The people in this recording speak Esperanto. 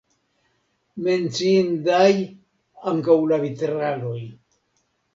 Menciindaj ankaŭ la vitraloj.